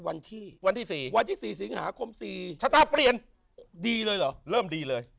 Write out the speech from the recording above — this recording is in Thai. วันที่วันที่๔วันที่๔สิงหาคม๔ชะตาเปลี่ยนดีเลยเหรอเริ่มดีเลย